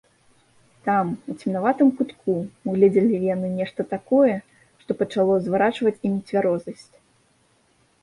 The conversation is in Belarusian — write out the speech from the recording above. Там, у цемнаватым кутку, угледзелі яны нешта такое, што пачало зварачаць ім цвярозасць.